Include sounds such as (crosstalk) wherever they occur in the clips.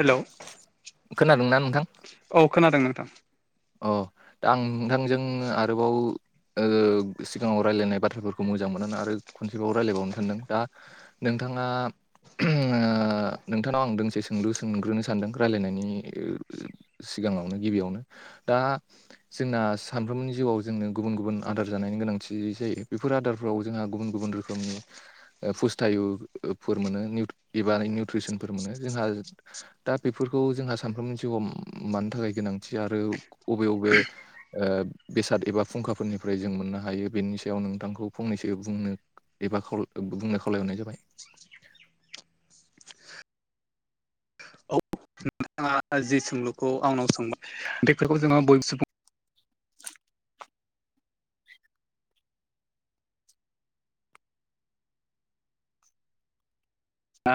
Hello. खोनादोंना नोंथां? औ खोनादों नोंथां। अ दा आं नोंथांजों आरोबाव। ओ सिगाङाव रायलायनाय बाथ्राफोरखौ मोजां मोननानै आरो खनसेबाव रायज्लायबावनो सानदों दा। नोंथाङा ओ नोंथांनाव आं दोंसे सोंलु सोंग्रोनो सानदों रायलायनायनि ओ सिगाङावनो गिबियावनो दा जोंना सानफ्रोमबोनि जिउआव जोंनो गुबुन गुबुन आदार जानायनि गोनांथि जायो बेफोर आदारफोराव जोंहा गुबुन गुबुन रोखोम रोखोमनि ओ फुस्थायुफोर मोनो एबा निउट्रिसनफोर मोनो जोंहा दा बेफोरखौ जोंहा सानफ्रोमबोनि जिउआव मानि थाखाय गोनांथि आरो अबे अबे ओ बेसाद एबा फुंखाफोरनिफ्राय जों मोननो हायो बेनि सायाव नोंथांखौ फंनैसो बुंनो एबा खावला बुंनो खावलायहरनाय जाबाय औ नोंथाङा जि सोंलुखौ आंनाव सोंबाय बेफोरखौ जोङो (unintelligible) आ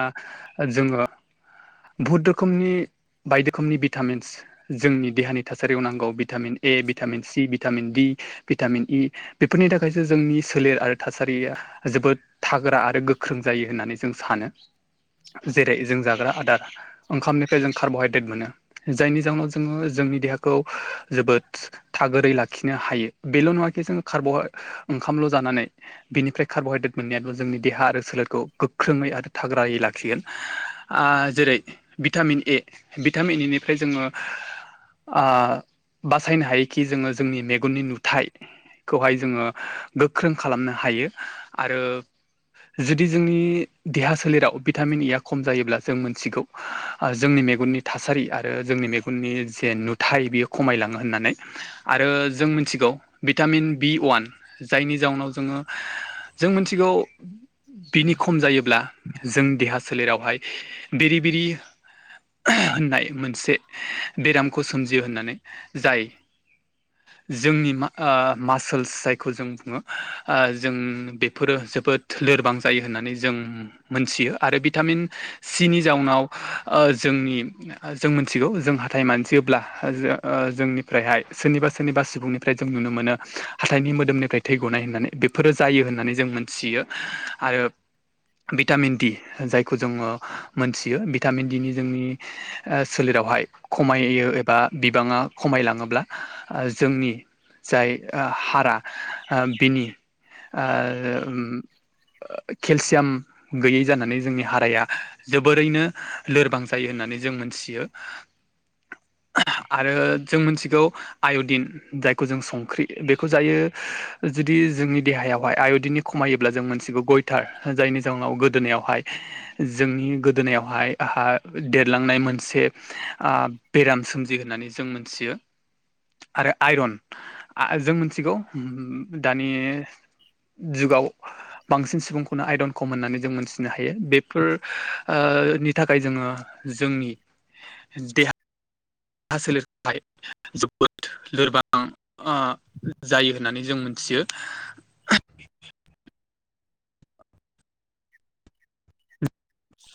ओ जोङो बहुत रोखोमनि बायदि रोखोमनि भिटामिन्स जोंनि देहानि थासारियाव नांगौ vitamin A vitamin C vitamin D vitamin E बेफोरनि थाखायसो जोंनि सोलेर आरो थासारिया जोबोद थाग्रा आरो गोख्रों जायो होननानै जों सानो जेरै जों जाग्रा आदार ओंखामनिफ्राय जों कार्ब'हाइद्रेट मोनो जायनि जाहोनाव जोङो जोंनि देहाखौ जोबोद थागोरै लाखिनो हायो बेल नङााखि जोङो कार्ब' ओंखामल' जानानै बेनिफ्राय कार्ब हाइद्रेट मोननायानो जोंनि देहा आरो सोलेरखौ गोख्रोङै आरो थाग्रायै लाखिगोन आ जेरै भिटामिन ए भिटामिन ए निफ्राय जोङो आ बासायनो हायोखि जोङो जोंनि मेगननि नुथाय खौहाय जोङो गोख्रों खालामनो हायो आरो जुदि जोंनि देहा सोलेराव भिटामिन इ आ खम जायोब्ला जों मोनथिगौ जोंनि मेगननि थासारि आरो जोंनि मे गननि जे नुथाय बियो खमायलाङो होननानै आरो जों मिनथिगौ भिटामिन बि उवान जायनि जाउनाव जोङो जों मिनथिगौ बिनि जाबाय। खम जायोब्ला जों देहा सोलेरावहाय बेरि बेरि होननाय मोनसे बेरामखौ सोमजियो होननानै जाय जोंनि मा ओ मासोल्स जायखौ जों बुङो ओ जों बेफोरो जोबोद लोरबां जायो होननानै जों मोनथियो आरो भिटामिन सि नि जाउनाव ओ जोंनि जों मिथिगौ जों हाथाय मानजियोब्ला ओ जोंनिफ्रायहाय सोरनिबा सोरनिबा सुबुंनि ओमफ्राय जों नुनो मोनो हाथाइनि मोदोमनिफ्राय थै गनाय होननानै बेफोरो जायो होननानै जों मोनथियो आरो भिटामिन डि जायखौ जोङो मोनथियो भिटामिन डि नि जोंनि ओ सोलेरावहाय खमायो एबा बिबाङा खमायलाङोब्ला ओ जोंनि जाय ओ हारा ओ बिनि ओ केलसियाम गैयै जानानै जोंनि हाराया जोबोरैनो लोरबां जायो होननानै जों मोनथियो आरो जों मोनथिगौ आयडिन जायखौ जों संख्रि बेखौ जायो जुदि जोंनि देहायावहाय आय दिननि खमायोब्ला जों मोनथिगौ गय (unintelligible) जायनि जोंनाव गोदोनायावहाय जोंनि गोदोनायावहाय हा देरलांनाय मोन से ओ बेराम सोमजियो होननानै जों मोनथियो आरो आइरन आ जों मिनथिगौ दानि जुगाव बांसिन सुबुंखौनो आयरन खम होननानै जों मोनथिनो हायो बेफोर ओ नि थाखाय जोङो जोंनि देहा दा सोलेरखौहाय जोबोद लोरबां अ' जायो होननानै जों मोनथियो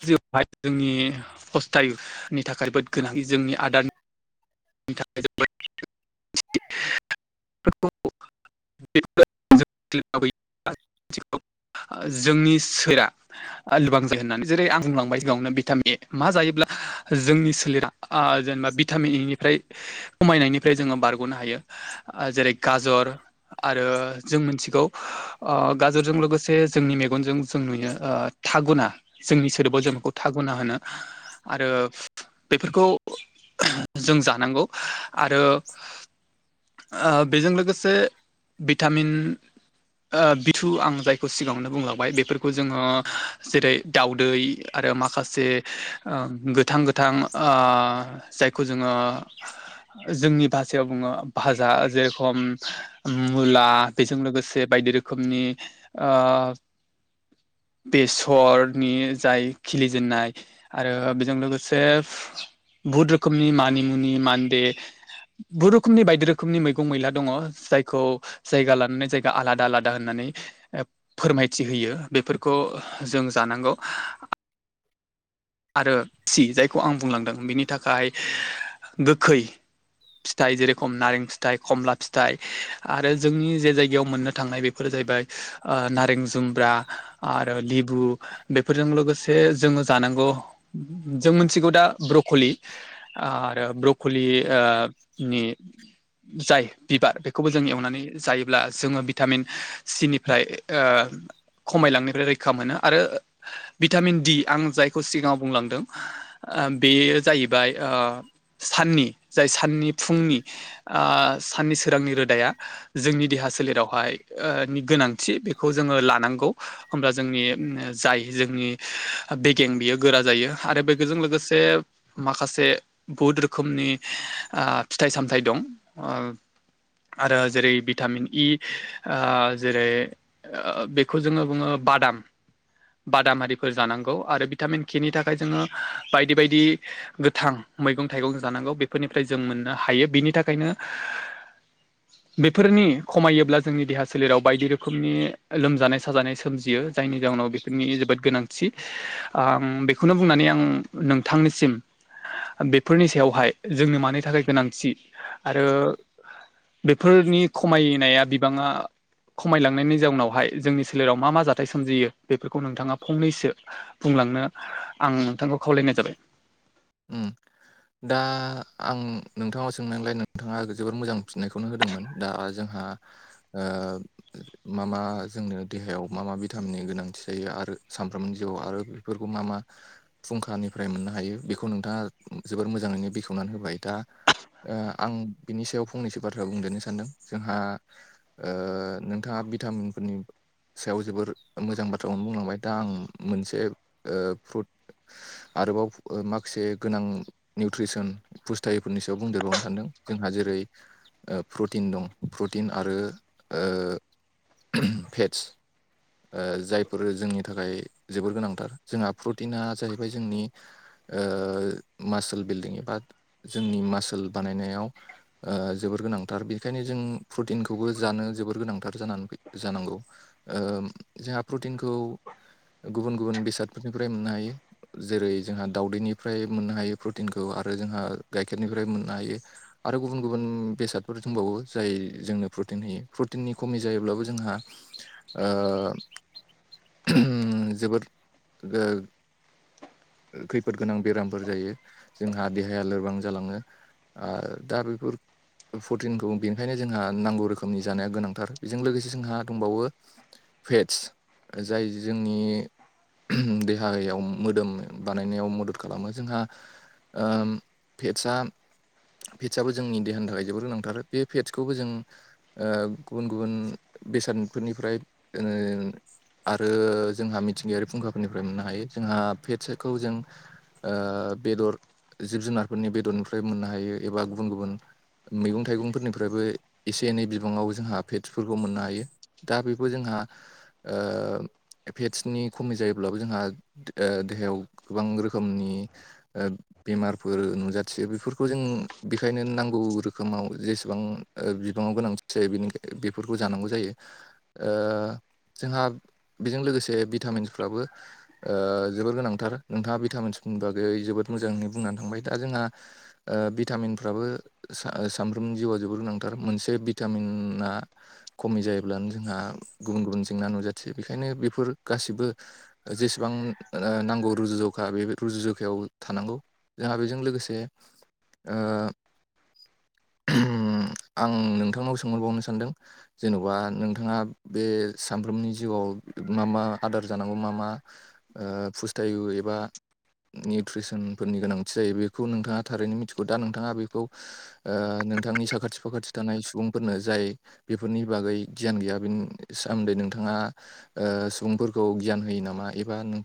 जिआवहाय जोंनि खस फिथायनि थाखाय जोबोद गोनां जोंनि आदार थाखाय जोबोद (unintelligible) (inaudible) जोंनि सोरा लुबां जायो होननानै जेरै आं बुंलांबाय सि गावनो भिटामिन ए मा जायोब्ला जोंनि सोलेरा ओ जेनेबा भिटामिन इनिफ्राय खमायनायनिफ्राय जोंङो बारग'नो हायो। जेरै गाजर आरो जों मोनथिगौ अ गाजरजों लोगोसे जोंनि मेगनजों जों नुयो थागुना जोंनि सोदोबाव जों इखौ थागुना होनो। आरो बेफोरखौ जों जानांगौ आरो ओ बेजों लोगोसे भिटामिन ओ बिथु आं जायखौ सिगाङावनो बुंलांबाय बेफोरखौ जोंङो जेरै दाउदै आरो माखासे गोथां गोथां ओ जायखौ जोंङो जोंनि भाषायाव बुंङो भाजा जेरखम मुला बेजों लोगोसे बायदि रोखोमनि अ बेसरनि जाय खिलिजेननाय आरो बेजों लोगोसे बहुत रोखोमनि मानिमुनि मान्दे बहुत रोखोमनि बायदि रोखोमनि मैगं मैला दङ जायखौ जायगा लानानै जायगा आलादा आलादा होननानै फोरमायथि होयो बेफोरखौ जों जानांगौ आरो थि जायखौ आं बुंलांदों बिनि थाखाय गोखै फिथाइ जेरेखम नारें फिथाइ खमला फि थाय आरो जोंनि जे जायगायाव मोननो थांनाय बेफोरो जाहैबाय नारें जुमब्रा आरो लिबु बेफोरजों लोगोसे जोंङो जानांगौ। जों मोनथिगौ दा ब्रक'लि आरो ब्रक'लिनि जाय बिबार बेखौबो जों एवनानै जायोब्ला जोंङो भिटामिन सिनिफ्राय ओ खमायलांनायनिफ्राय रैखा मोनो आरो भिटामिन डि आं जायखौ सिगाङाव बुंलांदों बेयो जाहैबाय ओ साननि जाय साननि फुंनि ओ साननि सोरांनि रोदाया जोंनि देहा सोलेरावहाय नि गोनांथि बेखौ जोंङो लानांगौ। होमब्ला जोंनि जाय जोंनि बेगें बियो गोरा जायो आरो बेफोरजों लोगोसे माखासे बहुत रोखोमनि ओ फिथाइ सामथाइ दं ओ आरो जेरै भिटामिन इ ओ जेरै बेखौ जोंङो बुङो बादाम बादामारिफोर जानांगौ आरो भिटामिन के नि थाखाय जोंङो बायदि बायदि गोथां मैगं थाइगं जानांगौ बेफोरनिफ्राय जों मोननो हायो बिनि थाखायनो (inaudible) बेफोरनि खमायोब्ला जोंनि देहा सोलेराव बायदि रोखोमनि लोमजानाय साजानाय सोमजियो जायनि जाउनाव बे फोरनि जोबोद गोनांथि। (inaudible) आं बेखौनो बुंनानै आं नोंथांनिसिम बेफोरनि सायावहाय जोंनो मानि थाखाय गोनांथि आरो बेफोरनि खमायनाया बिबाङा खमायलांनायनि जाउनावहाय जोंनि सोलेराव मा मा जाथाय सोमजियो बेफोरखौ नोंथाङा फंनैसो बुंलांनो आं नोंथांखौ खावलायनाय जाबाय। उम। दा आं नोंथाङाव सोंनांलाय नोंथाङा जोबोर मोजां फिननायखौनो होदोंमोन दा जोंहा ओ मा मा जोंनो देहायाव मा मा भिटामिननि गोनांथि जायो आरो सामफ्रामनि जिउआव आरो बेफोरखौ मा मा फुंखानिफ्राय मोननो हायो बेखौ नोंथाङा जोबोर मोजाङैनो बेखेवनानै होबाय दा ओ आं बिनि सायाव फंनैसो बाथ्रा बुंदेरनो सानदों जोंहा ओ नोंथाङा भिटामिनफोरनि सायाव जोबोर मोजां बाथ्राखौनो बुंलांबाय दा आं मोनसे ओ फ्रुट आरोबाव ओ माखासे गोनां निउट्रिसन फुस्थायैफोरनि सायाव बुंदेरबावनो सानदों जोंहा जेरै ओ प्रटिन दं प्रटिन आरो ओ भेटस ओ जायफोर जोंनि थाखाय जोबोर गोनांथार जोंहा प्रटिना जाहैबाय जोंनि ओ मासुल बिल्डिं एबा जोंनि मासुल बानायनायाव ओ जोबोर गोनांथार बेखायनो जों प्रटिनखौबो जानो जोबोर गोनांथार जानानै जानांगौ। ओम जोंहा प्रुतिनखौ गुबुन गुबुन बेसादफोरनिफ्राय मोननो हायो जेरै जोंहा दाउदैनिफ्राय मोननो हायो प्रटिनखौ आरो जोंहा गाइखेरनिफ्रायबो मोननो हायो। आरो गुबुन गुबुन बेसादफोर दंबावो जाय जोंनो प्रटिन होयो। प्रटिननि खमि जायोब्लाबो जोंहा ओम जोबोर गो खैफोद गोनां बेरामफोर जायो जोंहा देहाया लोरबां जालाङो। आ दा बेफोर प्रटिनखौ बेनिखायनो जोंहा नांगौ रोखोमनि जानाया गोनांथार बेजों लोगोसे जोंहा दंबावो पेटस जाय जोंनि देहायाव मोदोम बानायनायाव मदद खालामो जोंहा ओम पेटसा फेटसाबो जोंनि देहानि थाखाय जोबोर गोनांथार बे फेटसखौबो जों ओ गुबुन गुबुन बेसादफोरनिफ्राय जोङो आरो जोंहा मिथिंगायारि फुंखाफोरनिफ्राय मोननो हायो। जोंहा पेटसखौ जों ओ बेदर जिब जुनारफोरनि बेदरनिफ्रायबो मोननो हायो एबा गुबुन गुबुन मैगं थाइगंफोरनिफ्रायबो एसे एनै बिबाङाव जोंहा फेटसफोरखौ मोननो हायो। दा बेबो जोंहा ओ फेटसनि खमि जायोब्लाबो जोंहा ओ देहायाव गोबां रोखोमनि ओब बेमारफोर नुजाथियो बेफोरखौ जों बेखायनो नांगौ रोखोमाव जेसेबां ओ बिबाङाव गोनांथ थि जायो बेनिखाय बेफोरखौ जानांगौ जायो। ओ जोंहा बेजों लोगोसे भिटामिनफ्राबो ओ जोबोर गोनांथार नोंथाङा भिटामिन्सनि बागै जोबोद मोजाङै बुंनानै थांबाय। दा जोंहा ओ भिटामिनफ्राबो सा-सानफ्रोमनि जिउआ जोबोर गोनांथार मोनसे भिटामिनआ खमि जायोब्लानो जोंहा गुबुन गुबुन जेंना नुजाथियो बेखायनो बेफोर गासिबो जेसेबां ओ नांगौ रुजु जखा बे रुजु जखायाव थानांगौ जोंहा बेजों लोगोसे ओ ह्रोम आं नोंथांनाव सोंहरबावनो सानदों जेन'बा नोंथाङा बे सामफ्रोमनि जिउआव मा मा आदार जानांगौ मा मा ओ फुस्थायु एबा निउट्रिसनफोरनि गोनांथि जायो बेखौ नोंथाङा थारैनो मिथिगौ दा नोंथाङा बेखौ ओ नोंथांनि फाखाथि थानाय सुबुंफोरनो जाय बेफोरनि बागै गियान गैयााबन सोमोन्दै नोंथाङा ओ सुबुंफोरखौ गियान होयो नामा एबा नों नों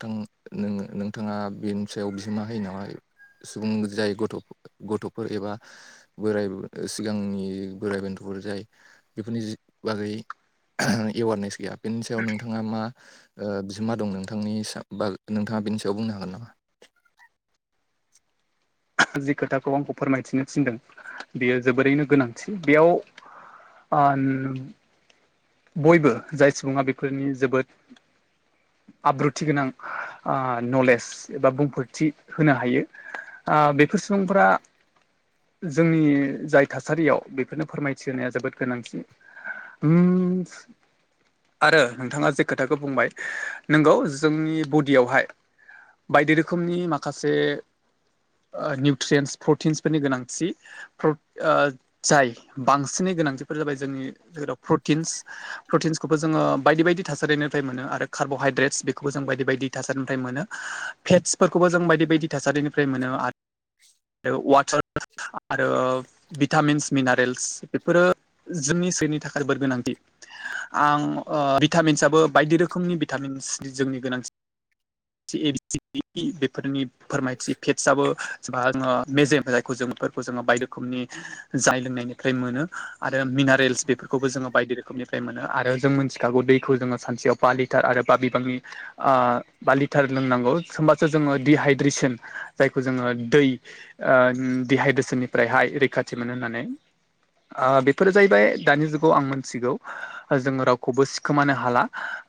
नों नोंथाङा बेनि सायाव बिहोमा होयो नालाय सुबुं जाय गथ' गथ'फोर एबा बोराय सिगांनि बोराइ बेन्थ'फोर जाय जि बागै आह् राएवारनेस गैया बेनि सायाव नोंथाङा मा बिहोमा दं नोंथांनि बा नोंथाङा बेनि सायाव बुंनो हागोन नामा? जि खोथाखौ आंखौ फोरमायथिनो थिनदों बेयो जोबोरैनो गोनांथि बेयाव (inaudible) बयबो जाय सुबुङा बेफोरनि जोबोद आब्रुथि गोनां आ नलेज एबा बुंफोरथि होनो हायो आ बेफोर सुबुंफोरा जोंनि जाय थासारियाव बेफोरनो फोरमायथि होनोनाया जोबोद गोनांथि उम आरो नोंथाङा जे खोथाखौ बुंबाय नोंगौ जोंनि बडियावहाय बायदि रोखोमनि माखासे निउट्रियेन्स प्रटिन्सफोरनि गोनांथि प्र ओ जाय बांसिनै गोनांथिफोरा जाबाय जोंनि जेजाव प्रटिन्स प्रटिन्सखौबो जोङो बायदि बायदि थासारिनिफ्राय मोनो आरो कार्ब'हाइद्रेट्स बेखौबो जों बायदि बायदि थासारिनिफ्राय मोनो फेफस्टफोरखौबो जों बायदि बायदि थासारिनिफ्राय मोनो आरो वाच (unintelligible) आरो भिटामिन्स मिनारेल्स बेफोरो जोंनि सनि थाखाय जोबोर गोनांथि आं भिटामिन्सआबो बायदि रोखोमनि भिटामिन्स जोंनि गोनांथि (inaudible) बेफोरनि फोरमायथि फेटस आबोबा जोङो मेजेम जायखौ जोंफोरखौ जोङो बायद रोखनि जाय लोंनायनिफ्राय मोनो आरो मिनारेल्स बेफोरखौबो जोङो बायदि मोोमनिफ्राय मोनो मिथिखागौ दैखौ जोङो सानसेयाव बा लिटार आरो बा बिबांनि बा लिटार लोंनांगौ होमबासो जोङो दिहाइद्रेसन जायखौ जोङो दै आं ओ दिहाइद्रेसननिफ्रायहाय रैखाथि मोनो होननानै आं बेफोरो जाहैबाय दानि जुगाव आं मिथिगौ जोङो रावखौबो सिखोमानो हाला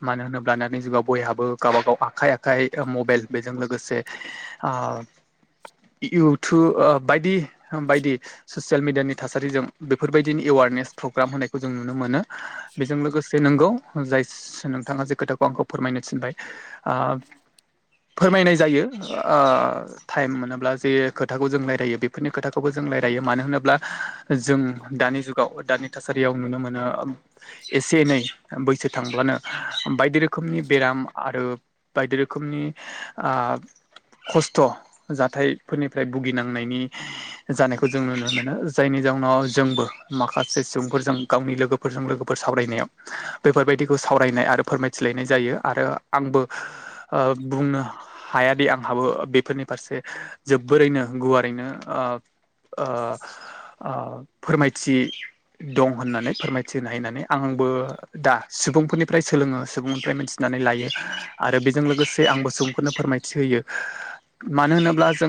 मानो होनोब्ला दानि जुगाव बयहाबो गावबाागाव आखाइ आखाइ खाय मबाइल बेजों लोगोसे ओ इउटुब ओ बायदि ससियेल मिडियानि थासारिजों बेफोरबायदिनो एवारनेस प्रग्राम होनायखौ जों नुनो मोनो बेजों लोगोसे नोंगौ जाय नोंथाङा जे खोथाखौ आंखौ फोरमायनो थिनबाय ओ फोरमायनाय जायो ओ टाइम मोनोब्ला जे खोथाखौ जों रायजलायो बेफोरनि खोथाखौबो जों रायलायो मानो होनोब्ला जों दानि जुगाव दानि थासारियाव नुनो मोनो एसे एनै बैसो थांब्लानो बायदि रोखोमनि बेराम आरो बायदि रोखोमनि आब खस्थ' जाथायफोरनिफ्राय भुगिनांनायनि जानायखौ जों नुनो मोनो जायनि जाउनाव जोंबो माखासे सुबुंफोरजों गावनि लोगो फोरजों लोगोफोर सावरायनायाव बेफोरबायदिखौ सावरायनाय आरो फोरमायथिलायनाय जायो आरो आंबो ओ बुंनो हायादि आंहाबो बेफोरनि फारसे जोबोरैनो गुवारैनो ओब ओ ओ फोरमायथि दं होननानै फोरमायथिनो हायो होननानै आंबो दा सुबुंफोरनिफ्राय सोलोङो सुबुंनिफ्राय मिथिनानै लायो आरो बेजों लोगोसे आंबो सुबुंफोरनो फोरमाय थिहोयो मानो होनोब्ला जों